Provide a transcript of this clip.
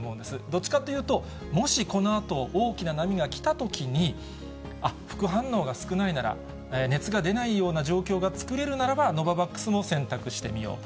どっちかというと、もしこのあと大きな波が来たときに、あっ、副反応が少ないなら、熱が出ないような状況が作れるならば、ノババックスも選択してみよう。